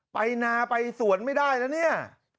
ไปนาไปสวนไม่ได้แล้วเนี่ย